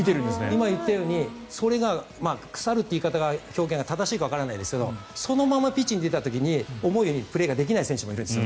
今、言ったようにそれが腐るという表現が正しいかわかりませんがそのままピッチに出た時に思うようにプレーができない選手もいるんです。